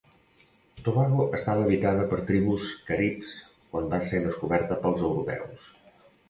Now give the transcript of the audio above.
Tobago estava habitada per tribus caribs quan va ser descoberta pels europeus.